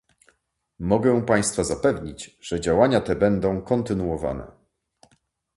Mogę państwa zapewnić, że działania te będą kontynuowane